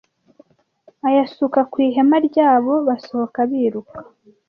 ayasuka ku ihema rya bo basohoka biruka